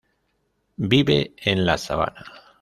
Vive en la sabana.